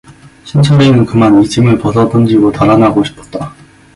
신철이는 그만 이 짐을 벗어던지고 달아나고 싶었다.